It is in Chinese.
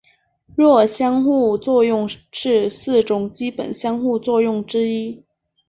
弱相互作用是四种基本相互作用之一。